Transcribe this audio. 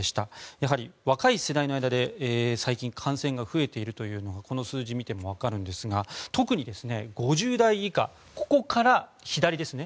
やはり若い世代の間で最近感染が増えているというのがこの数字を見てもわかるんですが特に５０代以下ここから左ですね。